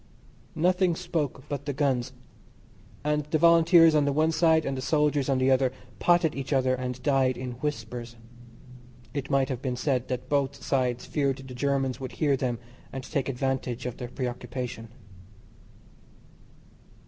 Nothing spoke but the guns; and the Volunteers on the one side and the soldiers on the other potted each other and died in whispers; it might have been said that both sides feared the Germans would hear them and take advantage of their preoccupation.